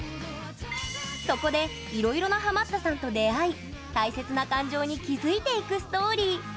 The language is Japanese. そこでいろいろなハマったさんと出会い大切な感情に気づいていくストーリー。